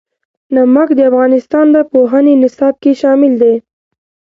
نمک د افغانستان د پوهنې نصاب کې شامل دي.